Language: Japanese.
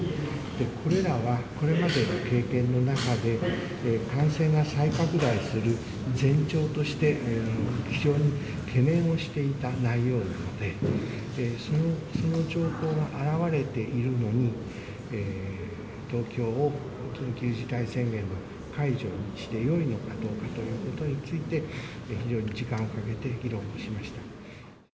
これらはこれまでの経験の中で、感染が再拡大する前兆として、非常に懸念をしていた内容なので、その兆候が表れているのに、東京を緊急事態宣言の、解除をしてよいのかどうかということについて、非常に時間をかけて議論しました。